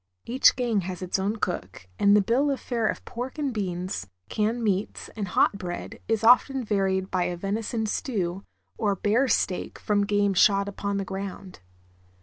Each gang has its own cook, and the bill of fare of pork and beans, canned LUMBERING. 187 meats, and hot bread is often varied by a venison stew or bear steak from game shot upon the ground.